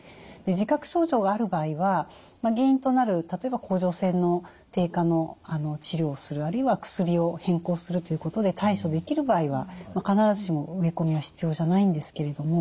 自覚症状がある場合は原因となる例えば甲状腺の低下の治療をするあるいは薬を変更するということで対処できる場合は必ずしも植え込みは必要じゃないんですけれども。